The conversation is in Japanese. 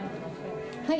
はい。